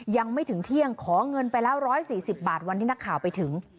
ยังไม่ถึงเที่ยงขอเงินไปแล้ว๑๔๐บาทวันที่นักข่าวไปถึง